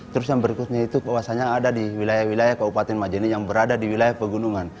terus yang berikutnya itu puasanya ada di wilayah wilayah kabupaten majene yang berada di wilayah pegunungan